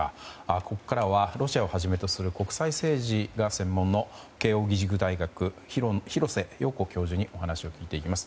ここからはロシアをはじめとする国際政治が専門の慶應義塾大学、廣瀬陽子教授にお話を聞いていきます。